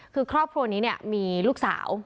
คือครอบครัวนี้เนี่ยมีลูกสาว